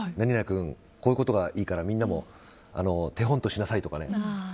君、こういうことがいいからみんなも手本としなさいとかね。